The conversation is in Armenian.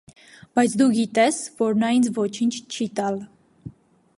- Բայց դու գիտես, որ նա ինձ ոչինչ չի տալ: